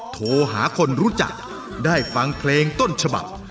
โทรหาคนรู้จักได้ฟังเพลงต้นฉบับ